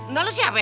nah lu siap ya